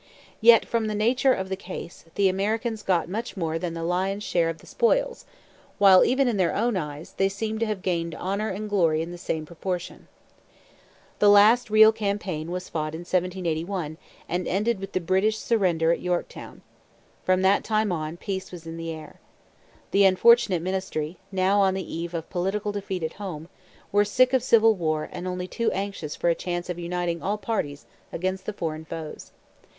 Yet, from the nature of the case, the Americans got much more than the lion's share of the spoils, while, even in their own eyes, they seemed to have gained honour and glory in the same proportion. The last real campaign was fought in 1781 and ended with the British surrender at Yorktown. From that time on peace was in the air. The unfortunate ministry, now on the eve of political defeat at home, were sick of civil war and only too anxious for a chance of uniting all parties against the foreign foes.